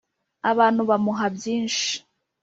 abantu bamuha byinshi